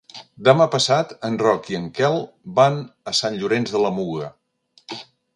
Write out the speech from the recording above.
Demà passat en Roc i en Quel van a Sant Llorenç de la Muga.